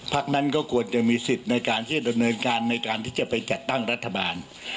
นั้นก็ควรจะมีสิทธิ์ในการที่จะดำเนินการในการที่จะไปจัดตั้งรัฐบาล